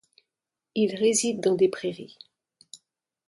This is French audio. Il réside dans des prairies.